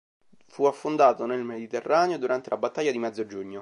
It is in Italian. Fu affondato nel Mediterraneo durante la battaglia di mezzo giugno.